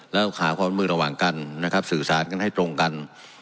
แล้วหาความร่วมมือระหว่างกันนะครับสื่อสารกันให้ตรงกัน